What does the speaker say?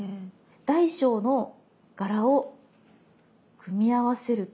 大小の柄を組み合わせると。